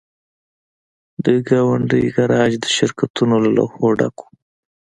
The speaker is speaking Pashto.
د ګاونډۍ ګراج د شرکتونو له لوحو ډک و